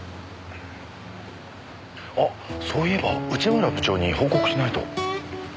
あそういえば内村部長に報告しないと。